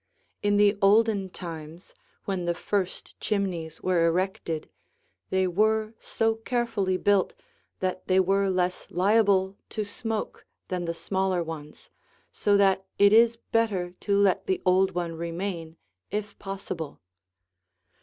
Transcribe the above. In the olden times, when the first chimneys were erected, they were so carefully built that they were less liable to smoke than the smaller ones, so that it is better to let the old one remain if possible.